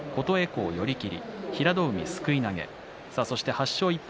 ８勝１敗